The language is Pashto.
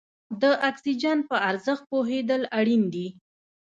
د اکسیجن په ارزښت پوهېدل اړین دي.